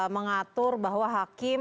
mengatur bahwa hakim